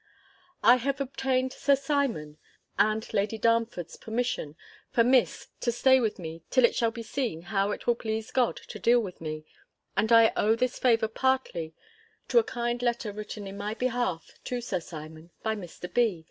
I have obtained Sir Simon, and Lady Darnford's permission for Miss to stay with me till it shall be seen how it will please God to deal with me, and I owe this favour partly to a kind letter written in my behalf to Sir Simon, by Mr. B.